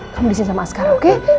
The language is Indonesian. kamu disini sama askara oke